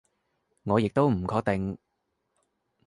我亦都唔確定